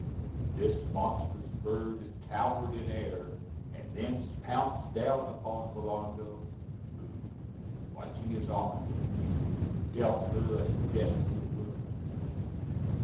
This monstrous bird towered in air, and thence pounced down upon Rinaldo, who, watching his opportunity, dealt her a desperate wound.